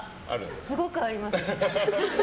すごくあります。